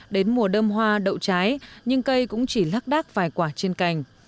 đến mùa đơm hoa đậu trái nhưng cây cũng chỉ lác đác vài quả trên cành